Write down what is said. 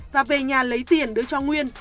và về nhà lấy tiền đưa cho nguyên